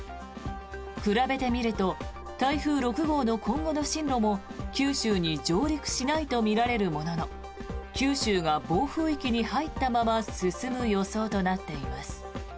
比べてみると台風６号の今後の進路も九州に上陸しないとみられるものの九州が暴風域に入ったまま進む予想となっています。